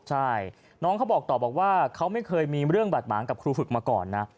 ใช่น้องเขาบอกต่อบอกว่าเขาไม่เคยมีเรื่องบาดหมางกับครูฝึกมาก่อนนะ